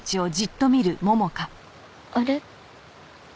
あれ？